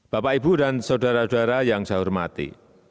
bapak ibu dan saudara saudara yang saya hormati